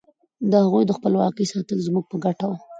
د هغوی د خپلواکۍ ساتل زموږ په ګټه وو.